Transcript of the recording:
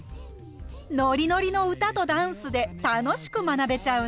ノリノリの歌とダンスで楽しく学べちゃうんです。